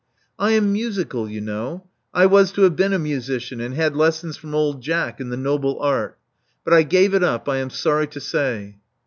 I am musical, you know. I was to have been a musician, and had lessons from old Jack in the noble art. But I gave it up, I am sorry to say."